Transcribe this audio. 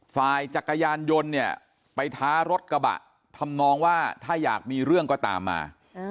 จักรยานยนต์เนี่ยไปท้ารถกระบะทำนองว่าถ้าอยากมีเรื่องก็ตามมา